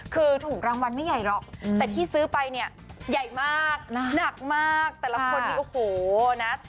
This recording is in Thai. คือถูกรางวัลไม่ใหญ่หรอกแต่ที่ซื้อไปเนี่ยใหญ่มากหนักมากแต่ละคนนี้โอ้โหนะ